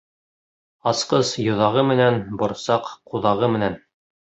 Асҡыс йоҙағы менән, борсаҡ ҡуҙағы менән.